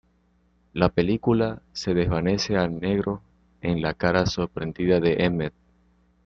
La película se desvanece a negro en la cara sorprendida de Emmet.